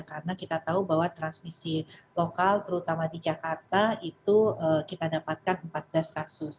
karena kita tahu bahwa transmisi lokal terutama di jakarta itu kita dapatkan empat belas kasus